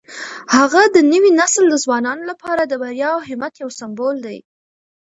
هغه د نوي نسل د ځوانانو لپاره د بریا او همت یو سمبول دی.